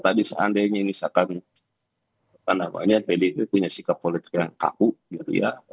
itu yang menurut saya menjadi titik kursial yang masih jadi